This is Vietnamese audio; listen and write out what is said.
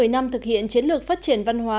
một mươi năm thực hiện chiến lược phát triển văn hóa